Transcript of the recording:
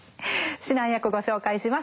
指南役ご紹介します。